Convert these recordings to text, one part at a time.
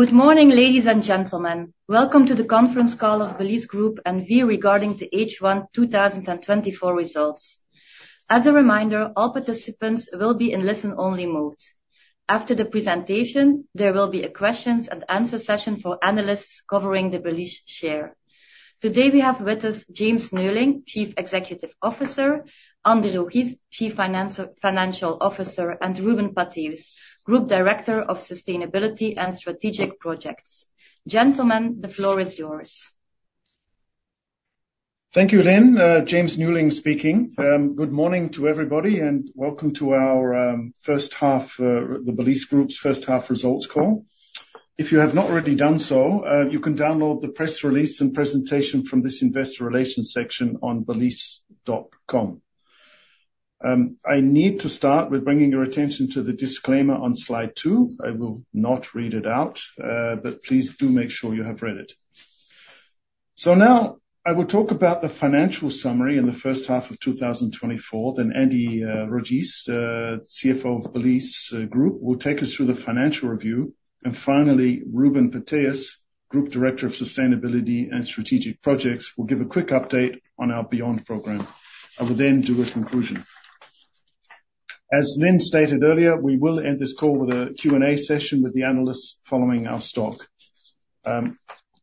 Good morning, ladies and gentlemen. Welcome to the conference call of Belysse Group NV, regarding the H1 2024 results. As a reminder, all participants will be in listen-only mode. After the presentation, there will be a question-and-answer session for analysts covering the Belysse share. Today, we have with us James Neuling, Chief Executive Officer, Andy Rogiest, Chief Financial Officer, and Ruben Pattheeuws, Group Director of Sustainability and Strategic Projects. Gentlemen, the floor is yours. Thank you, Lynn. James Neuling speaking. Good morning to everybody, and welcome to our first half, the Belysse Group's first half results call. If you have not already done so, you can download the press release and presentation from this investor relations section on belysse.com. I need to start with bringing your attention to the disclaimer on Slide two. I will not read it out, but please do make sure you have read it. So now, I will talk about the financial summary in the first half of 2024, then Andy Rogiest, CFO of Belysse Group, will take us through the financial review. And finally, Ruben Pattyn, Group Director of Sustainability and Strategic Projects, will give a quick update on our Beyond program. I will then do a conclusion. As Lynn stated earlier, we will end this call with a Q&A session with the analysts following our stock.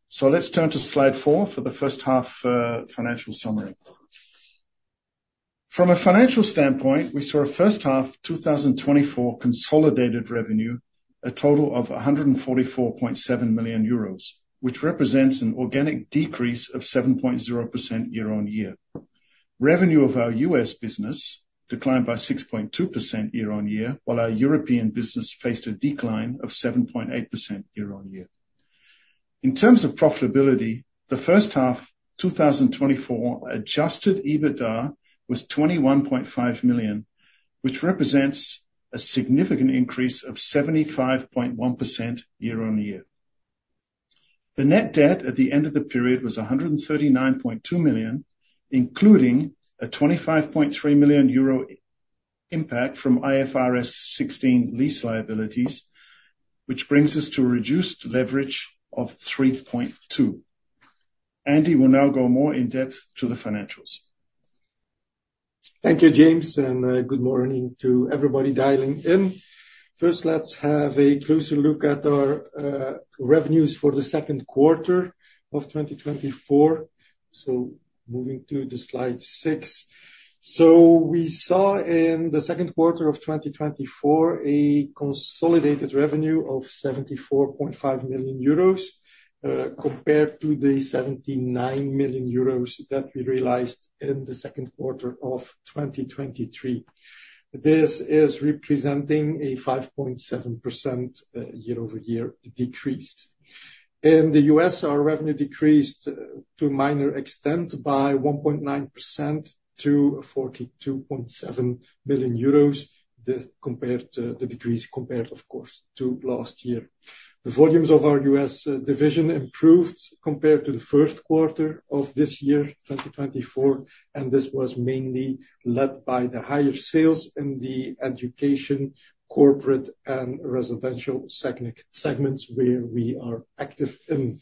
So let's turn to Slide four for the first half financial summary. From a financial standpoint, we saw a first half 2024 consolidated revenue of 144.7 million euros, which represents an organic decrease of 7.0% year-on-year. Revenue of our U.S. business declined by 6.2% year-on-year, while our European business faced a decline of 7.8% year-on-year. In terms of profitability, the first half 2024 Adjusted EBITDA was 21.5 million, which represents a significant increase of 75.1% year-on-year. The net debt at the end of the period was 139.2 million, including a 25.3 million euro impact from IFRS 16 lease liabilities, which brings us to a reduced leverage of 3.2. Andy will now go more in depth to the financials. Thank you, James, and good morning to everybody dialing in. First, let's have a closer look at our revenues for the second quarter of 2024. Moving to the Slide six. We saw in the second quarter of 2024 a consolidated revenue of 74.5 million euros compared to the 79 million euros that we realized in the second quarter of 2023. This is representing a 5.7% year-over-year decrease. In the U.S., our revenue decreased to a minor extent by 1.9% to 42.7 million euros. This compared to the decrease, of course, to last year. The volumes of our U.S. division improved compared to the first quarter of this year, 2024, and this was mainly led by the higher sales in the education, corporate, and residential segments, where we are active in.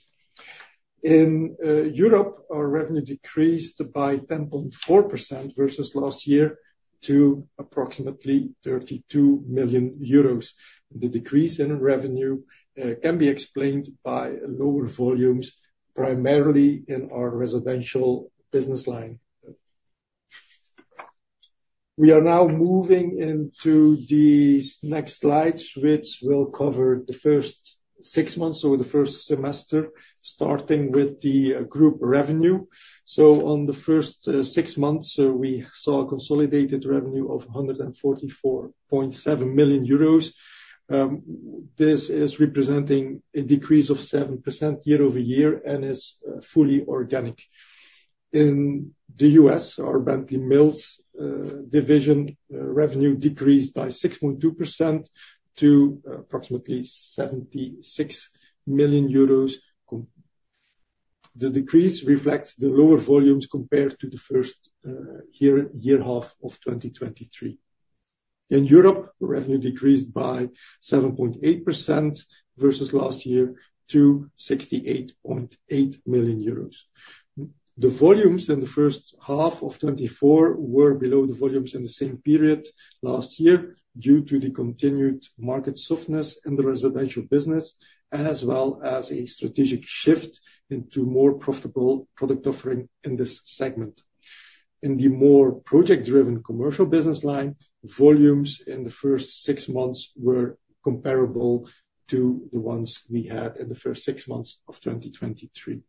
In Europe, our revenue decreased by 10.4% versus last year to approximately 32 million euros. The decrease in revenue can be explained by lower volumes, primarily in our residential business line. We are now moving into the next slides, which will cover the first six months or the first semester, starting with the group revenue. On the first six months, we saw a consolidated revenue of 144.7 million euros. This is representing a decrease of 7% year-over-year and is fully organic. In the U.S., our Bentley Mills division revenue decreased by 6.2% to approximately 76 million euros. The decrease reflects the lower volumes compared to the first half of 2023. In Europe, revenue decreased by 7.8% versus last year to 68.8 million euros. The volumes in the first half of 2024 were below the volumes in the same period last year, due to the continued market softness in the residential business, as well as a strategic shift into more profitable product offering in this segment. In the more project-driven commercial business line, volumes in the first six months were comparable to the ones we had in the first six months of 2023,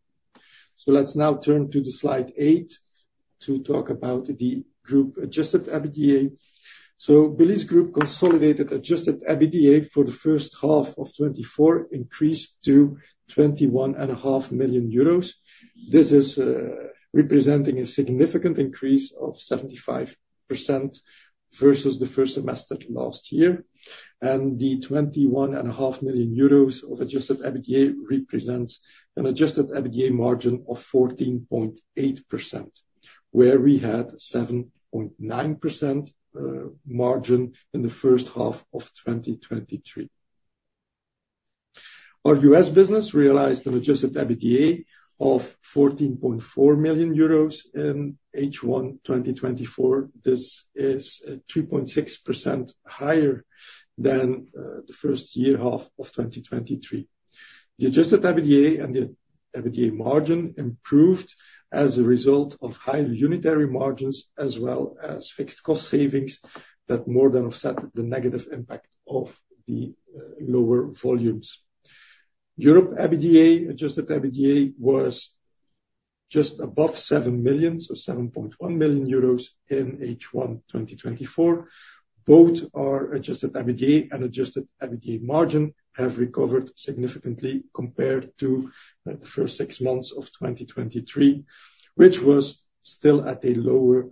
so let's now turn to Slide 8 to talk about the group Adjusted EBITDA. Belysse Group consolidated adjusted EBITDA for the first half of 2024 increased to 21.5 million euros. This is representing a significant increase of 75% versus the first half last year, and the 21.5 million euros of Adjusted EBITDA represents an Adjusted EBITDA margin of 14.8%, where we had 7.9% margin in the first half of 2023. Our US business realized an Adjusted EBITDA of 14.4 million euros in H1 2024. This is 3.6% higher than the first half of 2023. The Adjusted EBITDA and the EBITDA margin improved as a result of higher unitary margins, as well as fixed cost savings that more than offset the negative impact of the lower volumes. Europe EBITDA, Adjusted EBITDA was just above 7 million, so 7.1 million euros in H1 2024. Both our Adjusted EBITDA and Adjusted EBITDA margin have recovered significantly compared to the first six months of 2023, which was still at a lower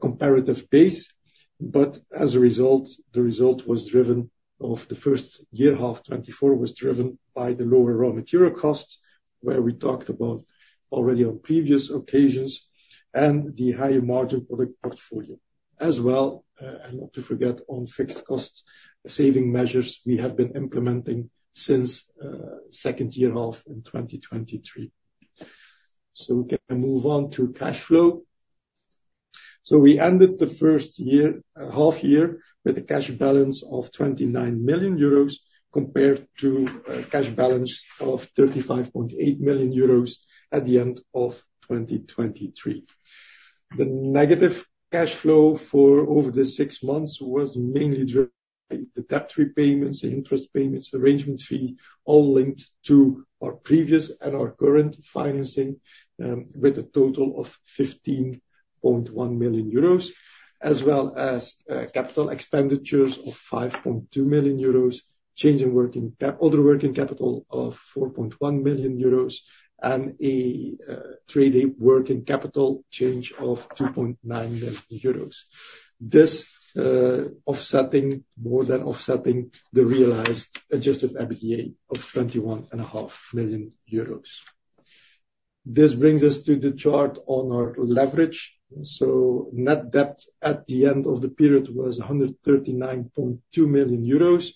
comparative base, but as a result, the result was driven off the first half 2024 was driven by the lower raw material costs, where we talked about already on previous occasions, and the higher margin product portfolio. As well, and not to forget, on fixed cost saving measures we have been implementing since second half in 2023. We can move on to cash flow. We ended the first half year with a cash balance of 29 million euros compared to a cash balance of 35.8 million euros at the end of 2023. The negative cash flow for over the six months was mainly driven by the debt repayments, the interest payments, arrangement fee, all linked to our previous and our current financing, with a total of 15.1 million euros, as well as capital expenditures of 5.2 million euros, change in other working capital of 4.1 million euros, and trading working capital change of 2.9 million euros. This offsetting more than offsetting the realized Adjusted EBITDA of 21.5 million euros. This brings us to the chart on our leverage so net debt at the end of the period was 139.2 million euros.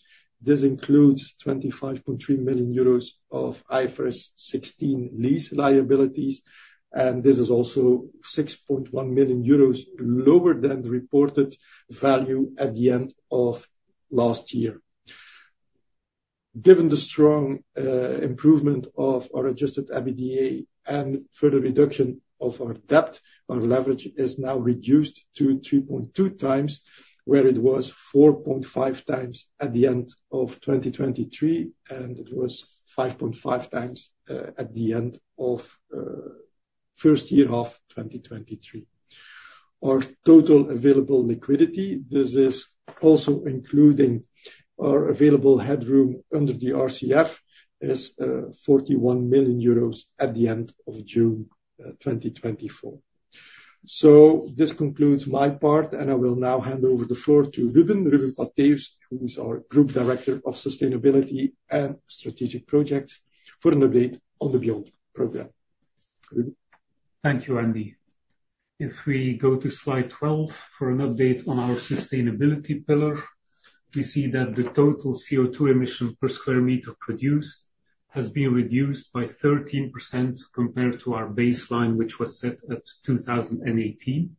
This includes 25.3 million euros of IFRS 16 lease liabilities, and this is also 6.1 million euros lower than the reported value at the end of last year. Given the strong improvement of our adjusted EBITDA and further reduction of our debt, our leverage is now reduced to 3.2 times, where it was 4.5 times at the end of 2023, and it was 5.5 times at the end of first half 2023. Our total available liquidity, this is also including our available headroom under the RCF, is 41 million euros at the end of June 2024. So this concludes my part, and I will now hand over the floor to Ruben Pattheeuws, who is our Group Director of Sustainability and Strategic Projects, for an update on the Beyond program. Ruben? Thank you, Andy. If we go to Slide 12 for an update on our sustainability pillar, we see that the total CO2 emission per square meter produced has been reduced by 13% compared to our baseline, which was set at 2018.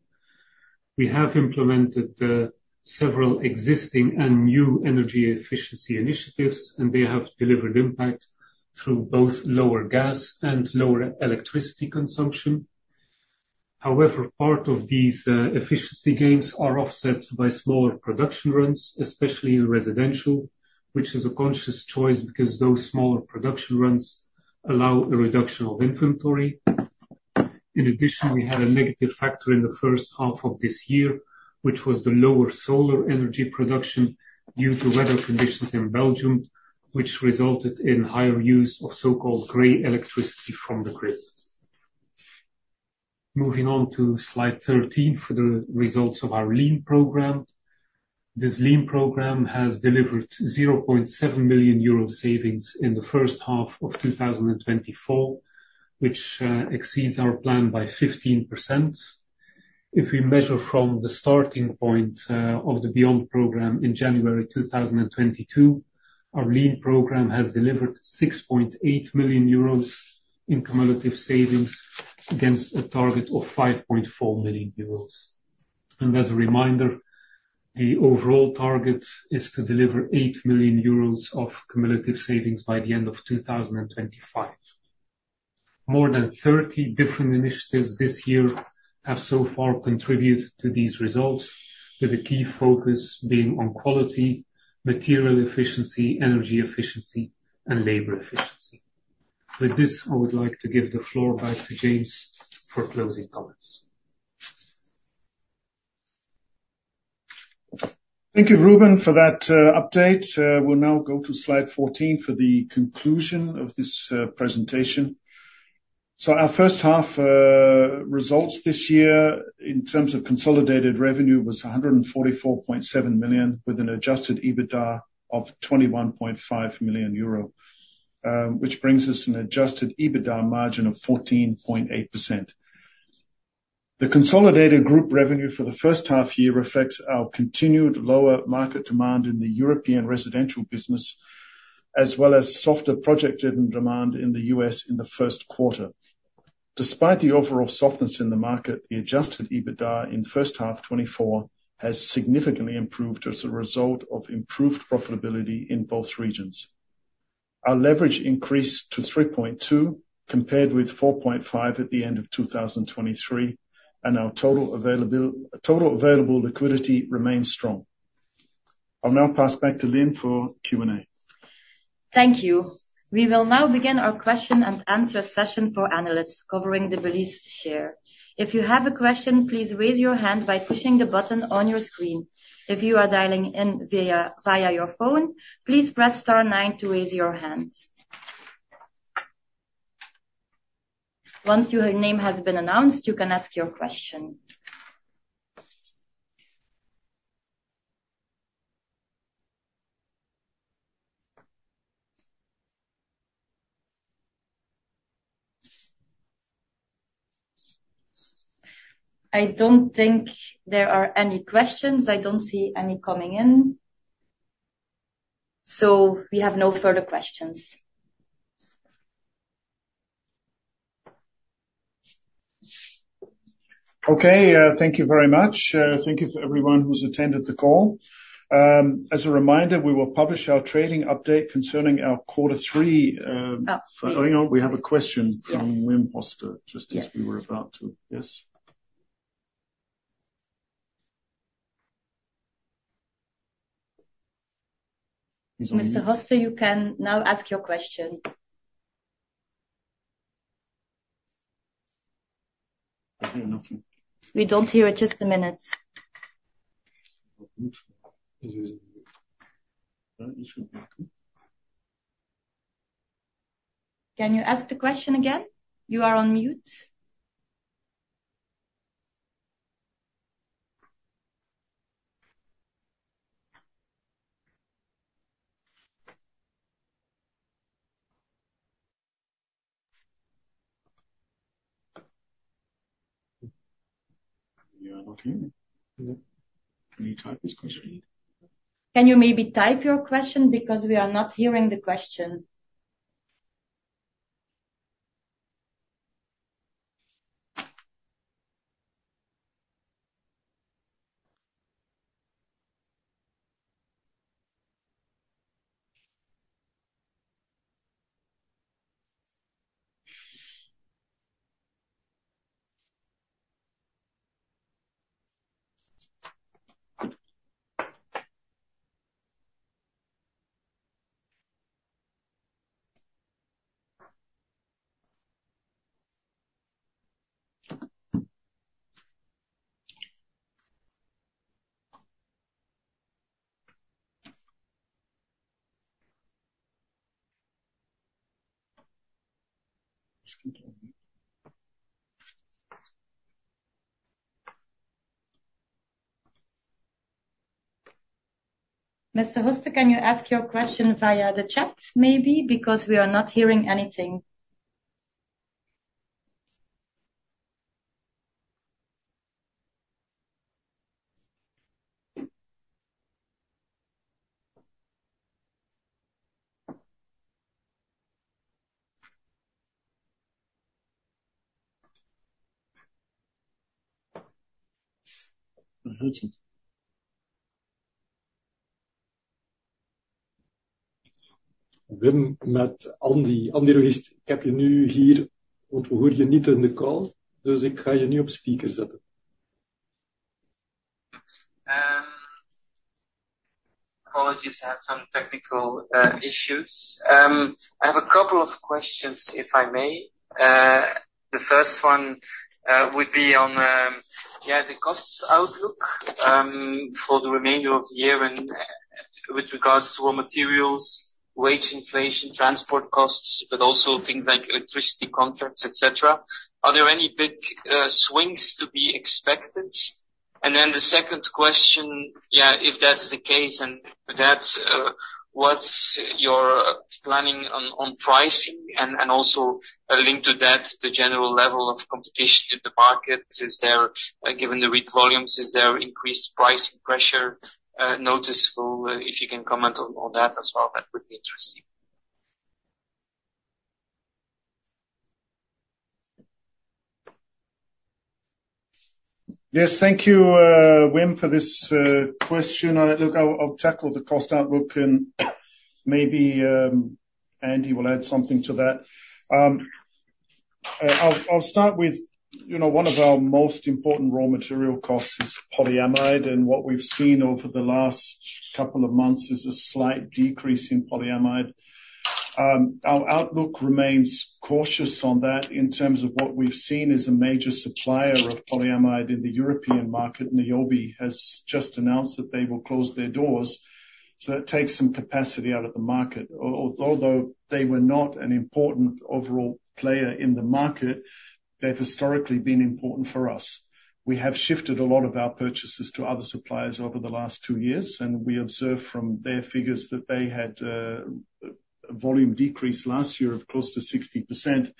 We have implemented several existing and new energy efficiency initiatives, and they have delivered impact through both lower gas and lower electricity consumption. However, part of these efficiency gains are offset by smaller production runs, especially in residential, which is a conscious choice because those smaller production runs allow a reduction of inventory. In addition, we had a negative factor in the first half of this year, which was the lower solar energy production due to weather conditions in Belgium, which resulted in higher use of so-called gray electricity from the grid. Moving on to Slide 13 for the results of our Lean program. This Lean program has delivered 0.7 million euro savings in the first half of 2024, which exceeds our plan by 15%. If we measure from the starting point of the Beyond program in January 2022, our Lean program has delivered 6.8 million euros in cumulative savings against a target of 5.4 million euros. As a reminder, the overall target is to deliver 8 million euros of cumulative savings by the end of 2025. More than 30 different initiatives this year have so far contributed to these results, with a key focus being on quality, material efficiency, energy efficiency, and labor efficiency. With this, I would like to give the floor back to James for closing comments. Thank you, Ruben, for that update. We'll now go to Slide 14 for the conclusion of this presentation. Our first half results this year in terms of consolidated revenue was 144.7 million, with an adjusted EBITDA of 21.5 million euro, which brings us an adjusted EBITDA margin of 14.8%. The consolidated group revenue for the first half year reflects our continued lower market demand in the European residential business, as well as softer project-driven demand in the U.S. in the first quarter. Despite the overall softness in the market, the Adjusted EBITDA in first half 2024 has significantly improved as a result of improved profitability in both regions. Our leverage increased to 3.2, compared with 4.5 at the end of 2023, and our total available liquidity remains strong. I'll now pass back to Lynn for Q&A. Thank you. We will now begin our question-and-answer session for analysts covering the released share. If you have a question, please raise your hand by pushing the button on your screen. If you are dialing in via your phone, please press Star nine to raise your hand. Once your name has been announced, you can ask your question. I don't think there are any questions. I don't see any coming in, so we have no further questions. Okay, thank you very much. Thank you for everyone who's attended the call. As a reminder, we will publish our trading update concerning our quarter three... Oh, hang on. We have a question from Wim Hoste, just as we were about to. Yes. Mr. Hoste, you can now ask your question. I hear nothing. We don't hear it. Just a minute. Can you ask the question again? You are on mute. You are not here? No. Can you type his question? Can you maybe type your question? Because we are not hearing the question. Mr. Hoste, can you ask your question via the chat, maybe? Because we are not hearing anything. Wim, with Andy. Andy Rogiest here, we want to hear you not in the call. Does it go on your speaker setup? Apologies, I had some technical issues. I have a couple of questions, if I may. The first one would be on the costs outlook for the remainder of the year and with regards to raw materials, wage inflation, transport costs, but also things like electricity contracts, et cetera. Are there any big swings to be expected? And then the second question, if that's the case, then that, what's your planning on, on pricing? And also a link to that, the general level of competition in the market. Is there, given the weak volumes, is there increased pricing pressure noticeable? If you can comment on, on that as well, that would be interesting. Yes. Thank you, Wim, for this question. Look, I'll tackle the cost outlook, and maybe Andy will add something to that. I'll start with, you know, one of our most important raw material costs is polyamide, and what we've seen over the last couple of months is a slight decrease in polyamide. Our outlook remains cautious on that. In terms of what we've seen as a major supplier of polyamide in the European market, Nyobe, has just announced that they will close their doors, so that takes some capacity out of the market. Although they were not an important overall player in the market, they've historically been important for us. We have shifted a lot of our purchases to other suppliers over the last two years, and we observed from their figures that they had a volume decrease last year of close to 60%.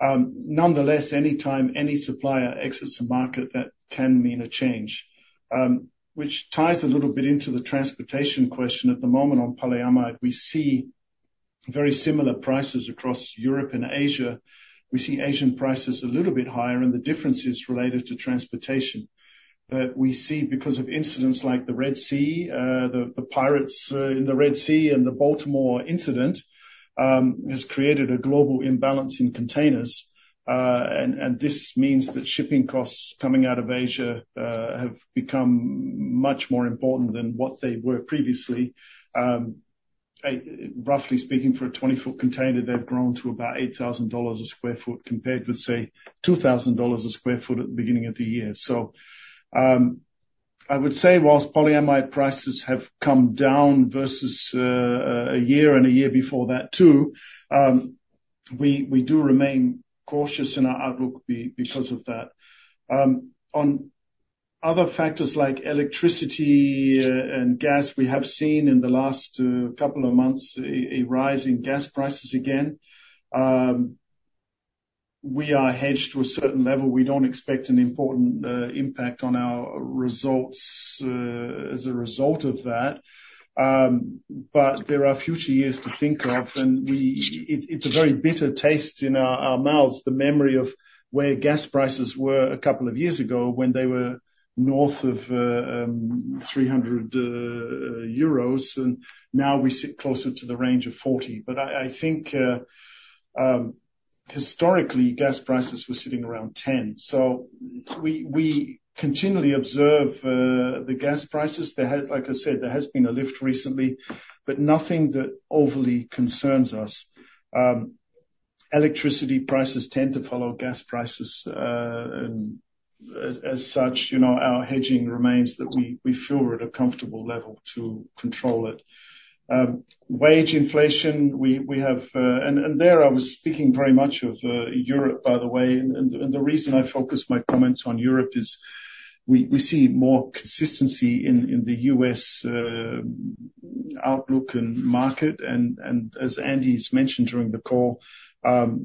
Nonetheless, anytime any supplier exits a market, that can mean a change. Which ties a little bit into the transportation question. At the moment, on polyamide, we see very similar prices across Europe and Asia. We see Asian prices a little bit higher, and the difference is related to transportation. But we see, because of incidents like the Red Sea, the pirates in the Red Sea and the Baltimore incident, has created a global imbalance in containers. And this means that shipping costs coming out of Asia have become much more important than what they were previously. Roughly speaking, for a 20-foot container, they've grown to about $8,000 sq ft, compared with, say, $2,000 a sq ft at the beginning of the year. So, I would say while polyamide prices have come down versus a year and a year before that, too, we do remain cautious in our outlook because of that. On other factors, like electricity and gas, we have seen in the last couple of months a rise in gas prices again. We are hedged to a certain level. We don't expect an important impact on our results as a result of that. But there are future years to think of, and it, it's a very bitter taste in our mouths, the memory of where gas prices were a couple of years ago when they were north of 300 euros, and now we sit closer to the range of 40. But I think historically, gas prices were sitting around 10. So we continually observe the gas prices. Like I said, there has been a lift recently, but nothing that overly concerns us. Electricity prices tend to follow gas prices, and as such, you know, our hedging remains that we feel we're at a comfortable level to control it. Wage inflation, we have. And there, I was speaking very much of Europe, by the way. The reason I focus my comments on Europe is we see more consistency in the U.S. outlook and market. As Andy's mentioned during the call,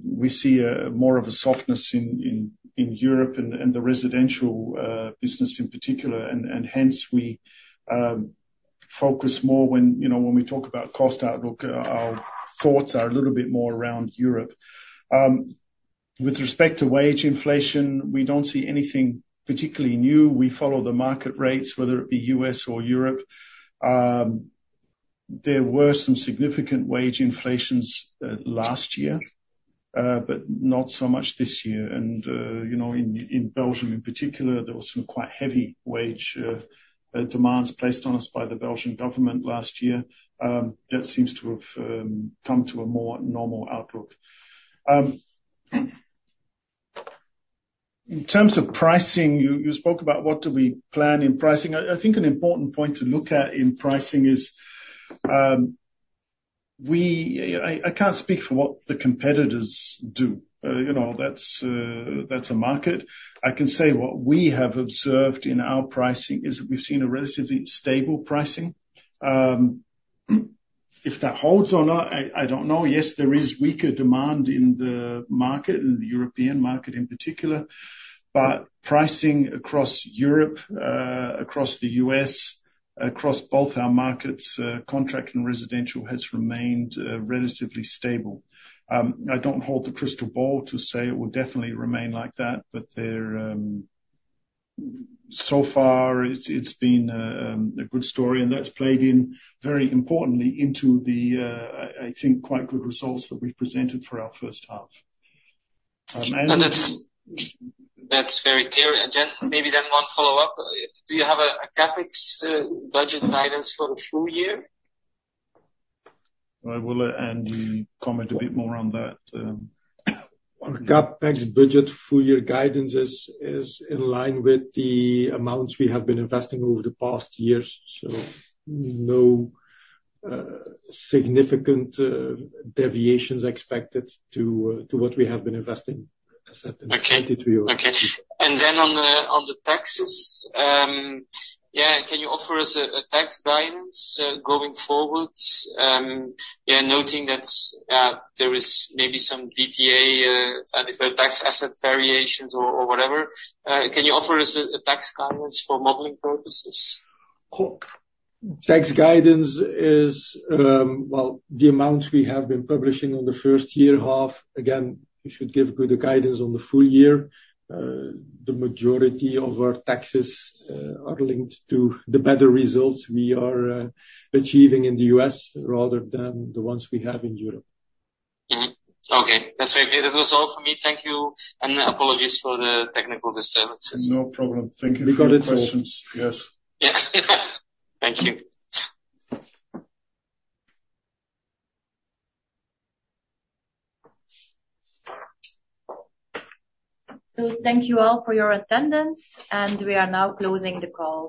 we see more of a softness in Europe and the residential business in particular. Hence, we focus more when, you know, when we talk about cost outlook, our thoughts are a little bit more around Europe. With respect to wage inflation, we don't see anything particularly new. We follow the market rates, whether it be U.S. or Europe. There were some significant wage inflations last year, but not so much this year. You know, in Belgium in particular, there were some quite heavy wage demands placed on us by the Belgian government last year. That seems to have come to a more normal outlook. In terms of pricing, you, you spoke about what do we plan in pricing. I, I think an important point to look at in pricing is, I, I can't speak for what the competitors do. You know, that's a market. I can say what we have observed in our pricing is that we've seen a relatively stable pricing. If that holds or not, I, I don't know. Yes, there is weaker demand in the market, in the European market in particular, but pricing across Europe, across the US, across both our markets, contract and residential, has remained relatively stable. I don't hold the crystal ball to say it will definitely remain like that, but so far, it's been a good story, and that's played in very importantly into the I think quite good results that we've presented for our first half. And And that's very clear. And then, maybe one follow-up. Do you have a CapEx budget guidance for the full year? I will let Andy comment a bit more on that. On CapEx budget, full year guidance is in line with the amounts we have been investing over the past years, so no significant deviations expected to what we have been investing as said in 2023. Okay. And then on the taxes, yeah, can you offer us a tax guidance going forward? Yeah, noting that there is maybe some DTA and different tax asset variations or whatever. Can you offer us a tax guidance for modeling purposes? Tax guidance is, well, the amount we have been publishing on the first half. Again, we should give good guidance on the full year. The majority of our taxes are linked to the better results we are achieving in the US rather than the ones we have in Europe. Mm-hmm. Okay, that's maybe, that was all for me. Thank you, and apologies for the technical disturbances. No problem. Thank you for your questions. We got it all. Yes. Yeah. Thank you. So thank you all for your attendance, and we are now closing the call.